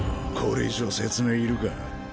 これ以上説明いるか？